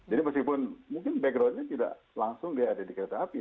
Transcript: jadi meskipun mungkin backgroundnya tidak langsung dia ada di kereta api